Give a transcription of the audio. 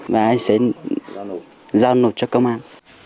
và em sẽ giao nộp cho công an